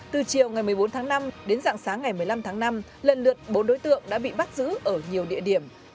từ chiều ngày một mươi bốn tháng năm đến dạng sáng ngày một mươi năm tháng năm lần lượt bốn đối tượng đã bị bắt giữ ở nhiều địa điểm